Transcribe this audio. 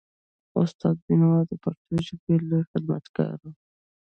استاد بینوا د پښتو ژبې لوی خدمتګار و.